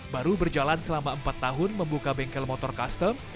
baru berjalan selama empat tahun membuka bengkel motor custom